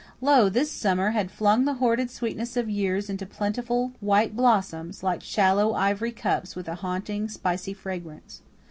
Lo! this summer had flung the hoarded sweetness of years into plentiful white blossoms, like shallow ivory cups with a haunting, spicy fragrance.